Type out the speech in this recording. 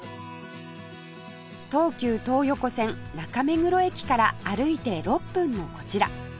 東急東横線中目黒駅から歩いて６分のこちら